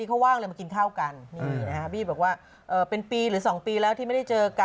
โหมูแฟนใหม่เขาก็บอกว่ารวยเลย